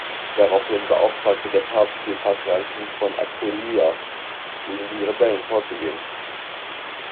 Daraufhin beauftragte der Papst den Patriarchen von Aquileja, gegen die Rebellen vorzugehen.